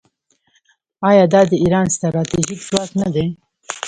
آیا دا د ایران ستراتیژیک ځواک نه دی؟